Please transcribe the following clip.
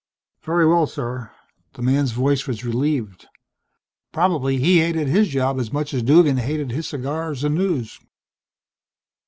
"Very well, sir." The man's voice was relieved. Probably he hated his job as much as Duggan hated his cigars and news.